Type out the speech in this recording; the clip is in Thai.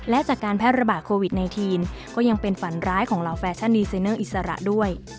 และจากการแพร่ระบาดโควิด๑๙ก็ยังเป็นฝันร้ายของเหล่าแฟชั่นดีไซเนอร์อิสระด้วย